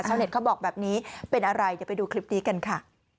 เน็ตเขาบอกแบบนี้เป็นอะไรเดี๋ยวไปดูคลิปนี้กันค่ะ